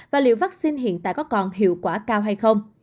và liệu vaccine hiện tại có còn hiệu quả cao hay không